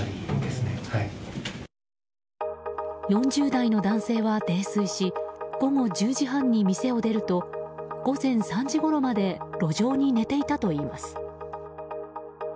４０代の男性は泥酔し午後１０時半に店を出ると午前３時ごろまで路上に寝ていたといいます。